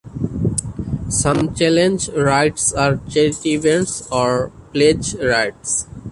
Some challenge rides are charity events or pledge rides.